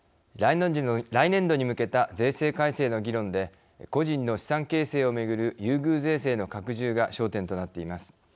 来年度に向けた税制改正の議論で個人の資産形成を巡る優遇税制の拡充が焦点となっています。